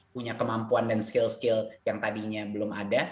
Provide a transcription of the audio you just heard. punya kemampuan dan skill skill yang tadinya belum ada